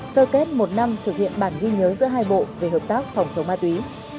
sơ kết một năm thực hiện bản ghi nhớ giữa hai bộ về hợp tác phòng chống ma túy